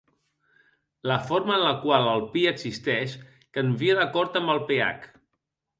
La forma en la qual el Pi existeix canvia d'acord amb el pH.